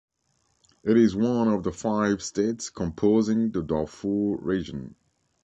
It is one of the five states composing the Darfur region.